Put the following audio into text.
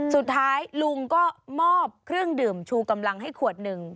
สุดท้ายลุงก็มอบเครื่องดื่มชูกำลังให้ขวดหนึ่ง